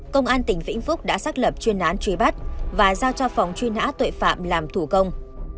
công an tỉnh vĩnh phúc đã xác lập chuyên án truy bắt và giao cho phòng truy nã tội phạm làm thủ công